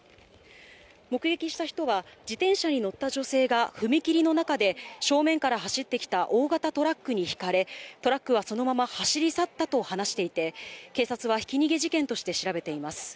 目撃した人は、自転車に乗った女性が踏切の中で正面から走ってきた大型トラックにひかれ、トラックはそのまま走り去ったと話していて、警察はひき逃げ事件として調べています。